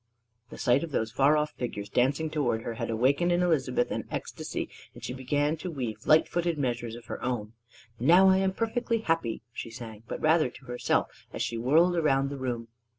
The sight of those far off figures dancing toward her had awaked in Elizabeth an ecstasy, and she began to weave light footed measures of her own. "Now I am perfectly happy," she sang, but rather to herself as she whirled round the room.